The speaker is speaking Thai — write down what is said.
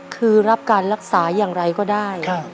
คือรับการรักษาอย่างไรก็ได้